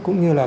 cũng như là